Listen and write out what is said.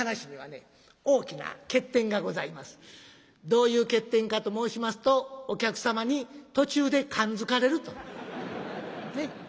どういう欠点かと申しますとお客様に途中で感づかれると。ね？